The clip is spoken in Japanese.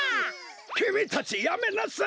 きみたちやめなさい！